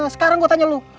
sekarang gua tanya lu